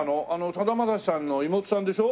さだまさしさんの妹さんでしょ？